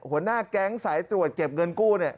หัวหน้าแก๊งสายตรวจเก็บเงินกู้